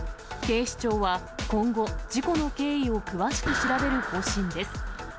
警視庁は今後、事故の経緯を詳しく調べる方針です。